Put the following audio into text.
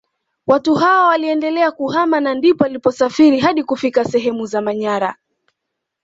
Watu hawa waliendelea kuhama na ndipo waliposafiri hadi kufika sehemu za Manyara